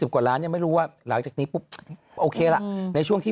กว่าล้านยังไม่รู้ว่าหลังจากนี้ปุ๊บโอเคล่ะในช่วงที่